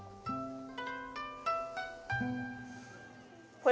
これ。